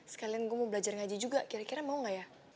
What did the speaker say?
sekalian gue mau belajar ngaji juga kira kira mau gak ya